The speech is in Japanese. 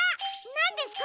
なんですか？